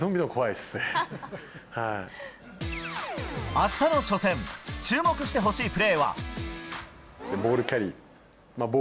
あしたの初戦、注目してほしいプレーは。